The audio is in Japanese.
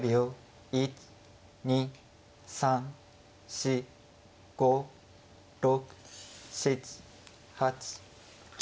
１２３４５６７８９。